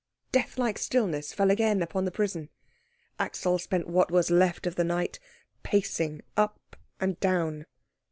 Death like stillness fell again upon the prison. Axel spent what was left of the night pacing up and down.